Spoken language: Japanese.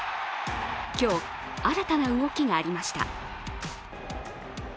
今日、新たな動きがありました。